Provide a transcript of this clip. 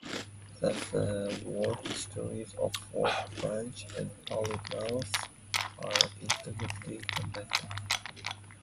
Thus, the war histories of Fort Branch and Plymouth are intimately connected.